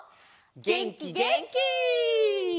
げんきげんき！